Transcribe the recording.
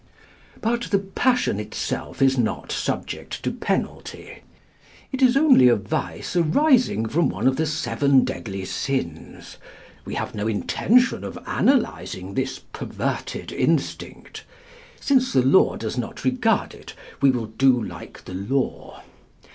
But the passion itself is not subject to penalty; it is only a vice arising from one of the seven deadly sins. We have no intention of analysing this perverted instinct. Since the law does not regard it, we will do like the law.